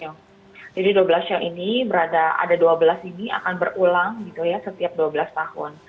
jadi dua belas show ini berada ada dua belas ini akan berulang gitu ya setiap dua belas tahun